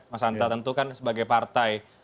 mas anta tentu kan sebagai partai